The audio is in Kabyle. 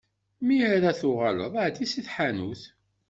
Mi ara tuɣaleḍ, εeddi si tḥanut.